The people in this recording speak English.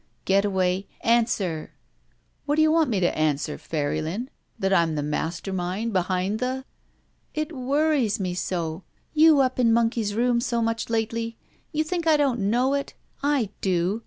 ^'Getaway — answer." Whadda you want me to answer, Pairylin? That I'm the master mind behind the —" "It wor;^es me so! You up in Monkey's room so much lately. You think I don't know it? I do!